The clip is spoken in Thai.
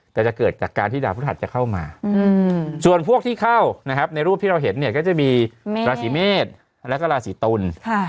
แต่จะเกิดจากการที่ดาวพฤหัสจะเข้ามาส่วนพวกที่เข้านะครับในรูปที่เราเห็นเนี่ยก็จะมีราศีเมษแล้วก็ราศีตุล